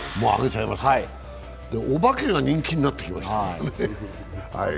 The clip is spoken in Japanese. お化けが人気になってきました。